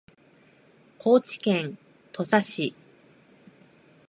高知県土佐市